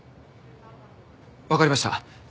わかりました。